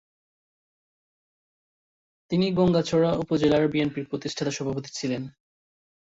তিনি গংগাচড়া উপজেলার বিএনপির প্রতিষ্ঠাতা সভাপতি ছিলেন।